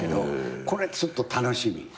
これちょっと楽しみ。